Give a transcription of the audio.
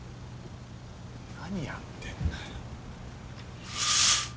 何やってんだよ。